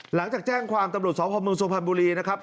หลังจากแจ้งความตำรวจสวพบุรีนะครับ